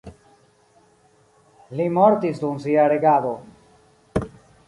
Li mortis dum sia regado.